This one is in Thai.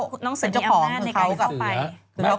เมื่อก่อนเป็นเจ้าของคือเขากับเสือ